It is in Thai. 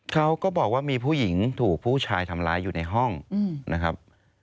เขาก็บอกว่ามีผู้หญิงถูกผู้ชายทำร้ายอยู่ในห้องนะครับ